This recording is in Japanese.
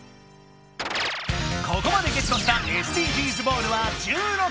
ここまでゲットしたＳＤＧｓボールは１６。